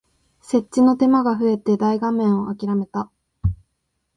設置の手間が増えて大画面をあきらめた